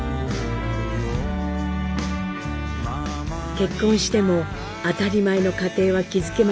結婚しても当たり前の家庭は築けませんでした。